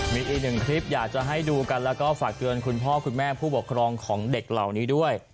มีอีกหนึ่งคลิปอยากจะให้ดูกันแล้วก็ฝากเตือนคุณพ่อคุณแม่ผู้ปกครองของเด็กเหล่านี้ด้วย